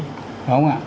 đó không ạ